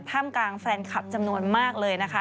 กลางแฟนคลับจำนวนมากเลยนะคะ